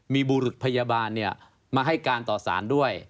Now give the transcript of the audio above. มีบุรุษพยาบาลมาให้การต่อสารด้วย